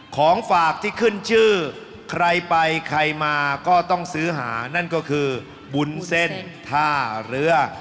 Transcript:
ของฝากที่ขึ้นชื่อใครไปใครมาก็ต้องซื้อหานั่นก็คือวุ้นเส้นท่าเรือ